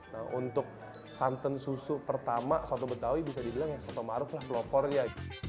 nah untuk santan susu pertama soto betawi bisa dibilang ya soto maruf lah pelopornya